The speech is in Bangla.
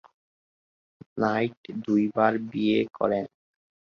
নাইট দুইবার বিয়ে করেন।